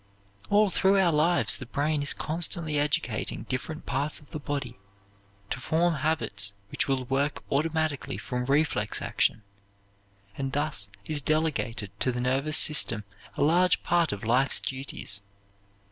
All through our lives the brain is constantly educating different parts of the body to form habits which will work automatically from reflex action, and thus is delegated to the nervous system a large part of life's duties.